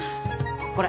これ。